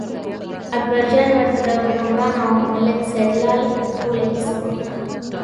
اکبرجان ورته د حکمران او ملک سیدلال ټوله کیسه وکړه.